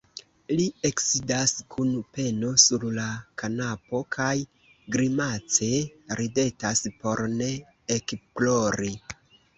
Li eksidas kun peno sur la kanapo kaj grimace ridetas por ne ekplori.